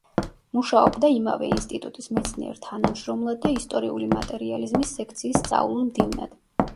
მუშაობდა იმავე ინსტიტუტის მეცნიერ-თანამშრომლად და ისტორიული მატერიალიზმის სექციის სწავლულ მდივნად.